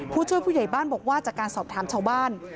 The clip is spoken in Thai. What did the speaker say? ผู้ช่วยผู้ใหญ่บ้านบอกว่าจากการสอบถามชาวบ้าน